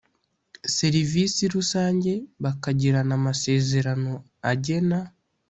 serivisi rusange bakagirana amasezerano agena